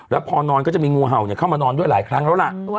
แล้วพอนอนก็จะมีงูเห่าเข้ามานอนด้วยหลายครั้งแล้วล่ะ